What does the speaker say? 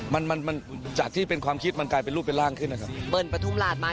มันจากที่เป็นความคิดมันกลายเป็นลูกเป็นร่างขึ้นครับ